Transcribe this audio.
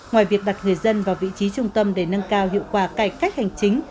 ngoài việc đặt người dân vào vị trí trung tâm để nâng cao hiệu quả cải cách hành chính